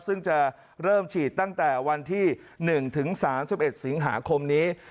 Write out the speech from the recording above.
ซึ่งจะเริ่มฉีดตั้งแต่วันที่๑ถึง๓๑สิงหาคมนี้